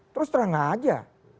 terus terang terang saja